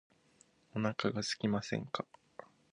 お腹がすきませんか